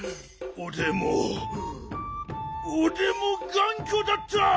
おでもおでもがんこだった！